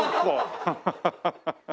ハハハハッ！